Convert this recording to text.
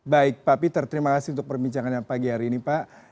baik pak peter terima kasih untuk perbincangannya pagi hari ini pak